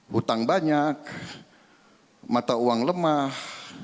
hutang banyak mata uang lemah